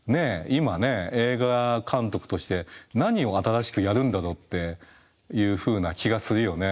今ね映画監督として何を新しくやるんだろっていうふうな気がするよね。